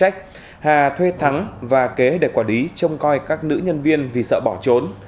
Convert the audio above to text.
hà thuê thắng và kế để quản lý trông coi các nữ nhân viên vì sợ bỏ trốn